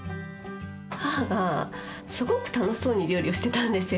母がすごく楽しそうに料理をしてたんですよ。